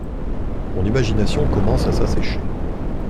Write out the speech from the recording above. Mon imagination commence à s’assécher.